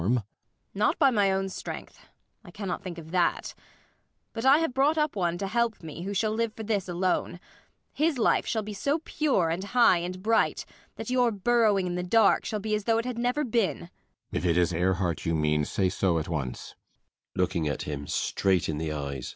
Not by my own strength. I cannot think of that. But I have brought up one to help me, who shall live for this alone. His life shall be so pure and high and bright, that your burrowing in the dark shall be as though it had never been!